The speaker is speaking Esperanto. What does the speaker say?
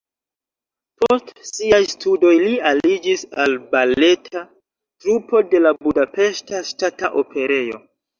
Post siaj studoj li aliĝis al baleta trupo de la Budapeŝta Ŝtata Operejo.